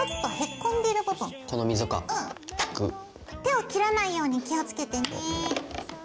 手を切らないように気をつけてね。